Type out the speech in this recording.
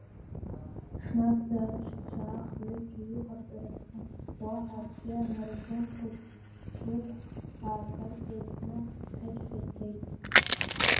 Ҽнак зны аишьцәа ахҩыкгьы, иҟарҵарыз ҳәа уаҳа акгьы анырзымхәыц, цә-уӷәк ааргарц еицны ӷьычра ицеит.